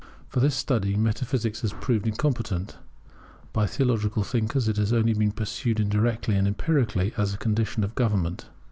For this study metaphysics had proved incompetent; by theological thinkers it had only been pursued indirectly and empirically as a condition of government.